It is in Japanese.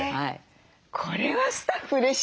これはスタッフうれしいですね。